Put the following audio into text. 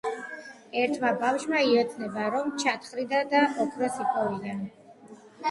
ერთმა ბავშვმა იოცნება, რომ ჩათხრიდა და ოქროს იპოვიდა.